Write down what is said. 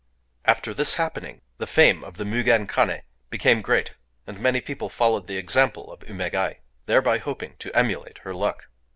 _"] After this happening, the fame of the Mugen Kané became great; and many people followed the example of Umégaë,—thereby hoping to emulate her luck.